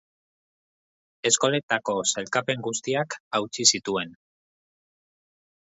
Eskoletako sailkapen guztiak hautsi zituen.